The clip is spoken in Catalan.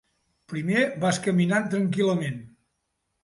Primer vas caminant tranquil·lament.